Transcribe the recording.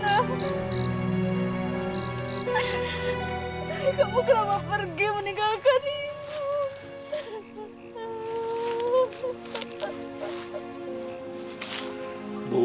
tapi kamu kenapa pergi meninggalkan itu